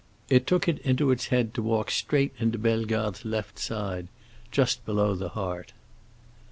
It took it into its head to walk straight into Bellegarde's left side, just below the heart."